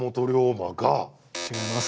違います。